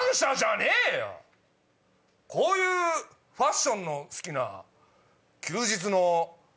こういうファッションの好きな休日の。